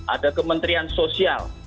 ada kementerian sosial